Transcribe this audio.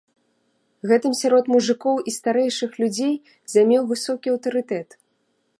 Гэтым сярод мужыкоў і старэйшых людзей займеў высокі аўтарытэт.